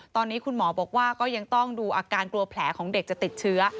ตอนนี้คุณหมอบอกว่าก็ยังต้องดูอาการกลัวแผลของเด็กจะติดเชื้อ